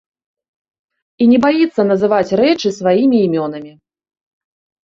І не баіцца называць рэчы сваімі імёнамі.